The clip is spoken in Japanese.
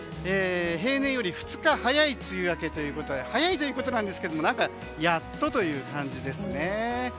平年より２日早い梅雨明けということでして早いということですけども何かやっとという感じですね。